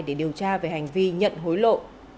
để điều tra về hành vi nhận hối lộ